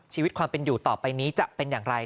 ชีวิตความเป็นอยู่ต่อไปนี้จะเป็นอย่างไร